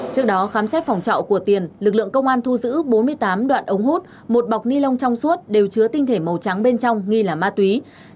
trước đó khám xét phòng trọ của tiền lực lượng công an thu giữ bốn mươi tám đoạn ống hút một bọc ni lông trong suốt đều chứa tinh thể màu trắng bên trong nghi là ma túy